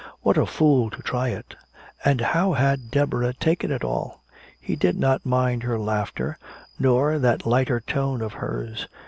What a fool to try it! And how had Deborah taken it all? He did not mind her laughter, nor that lighter tone of hers.